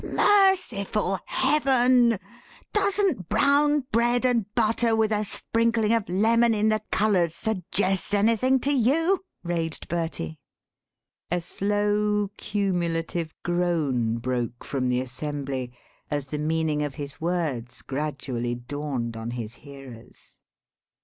"Merciful Heaven! Doesn't brown bread and butter with a sprinkling of lemon in the colours suggest anything to you?" raged Bertie. A slow, cumulative groan broke from the assembly as the meaning of his words gradually dawned on his hearers.